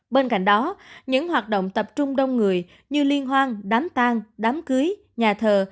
bên cạnh đó những hoạt động tập trung đông người như liên hoan đám tang đám cưới nhà thờ